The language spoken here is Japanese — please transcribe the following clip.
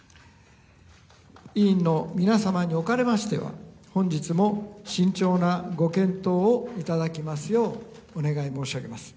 委員の皆様におかれましては本日も慎重なご検討をいただけますようお願い申し上げます。